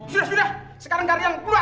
sudah sudah sekarang kalian keluar